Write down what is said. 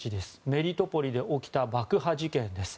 メリトポリで起きた爆破事件です。